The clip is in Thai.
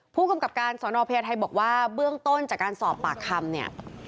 ผู้กำกับการสอนอพญาไทยบอกว่าเบื้องต้นจากการสอบปากคำเนี่ย